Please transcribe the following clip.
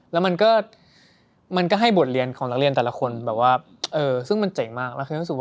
แล้วมันก็ให้บทเรียนของนักเรียนแต่ละคนซึ่งมันเจ๋งมาก